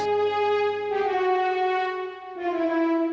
tunggu aku mau ke teman aku